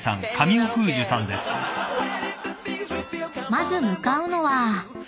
［まず向かうのは］